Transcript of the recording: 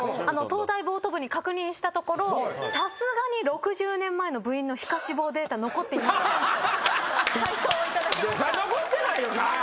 東大ボート部に確認したところさすがに６０年前の部員の皮下脂肪データ残っていませんと回答を頂きました。